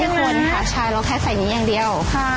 คนค่ะใช่เราแค่ใส่นี้อย่างเดียว